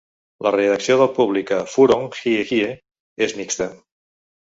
La reacció del públic a Furong Jiejie és mixta.